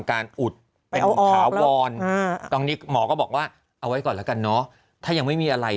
อ้อคือพี่อุดรากฟันไปแล้วเนี้ย